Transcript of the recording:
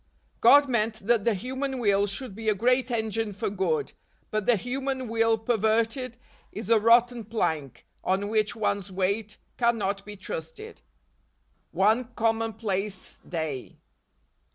God meant that the human will should be a great engine for good, but the human will perverted, is a rotten plank, on which one's weight cannot be trusted. One Commonplace Day.